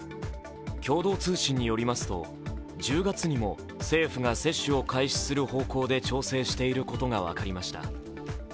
共同通信によりますと、１０月にも政府が接種を開始する方向で調整していることが分かりました。